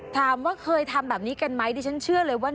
ถามว่าเคยทำแบบนี้กันไหมดิฉันเชื่อเลยว่า